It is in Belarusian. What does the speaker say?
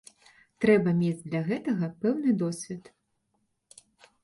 Трэба мець для гэтага пэўны досвед.